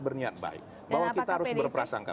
berniat baik bahwa kita harus berprasangka